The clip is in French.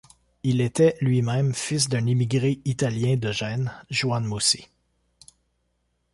Il était, lui-même, fils d'un émigré italien de Gênes, Juan Mussi.